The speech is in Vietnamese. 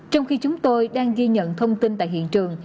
trong khi chúng tôi đang ghi nhận thông tin tại hiện trường